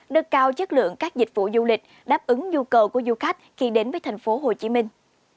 đưa cao chất lượng các dịch vụ du lịch đáp ứng nhu cầu của du khách khi đến với thành phố hồ chí minh